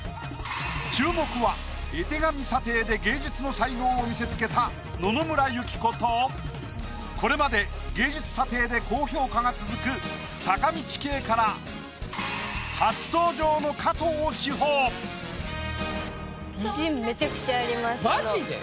注目は絵手紙査定で芸術の才能を見せつけた野々村友紀子とこれまで芸術査定で高評価が続く坂道系から初登場のマジで？